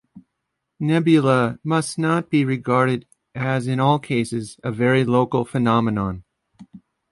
Nebula must not be regarded as in all cases a very local phenomenon.